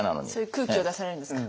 そういう空気を出されるんですか？